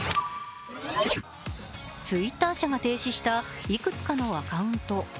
Ｔｗｉｔｔｅｒ社が停止したいくつかのアカウント。